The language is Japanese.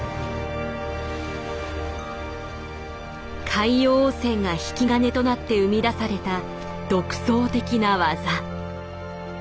海洋汚染が引き金となって生み出された独創的な技。